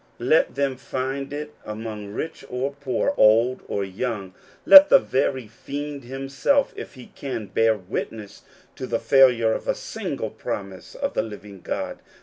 Let them find it among rich or poor, old or young. Let the very fiend himself, if he can, bear witness to the failure of a single promise of the Living God.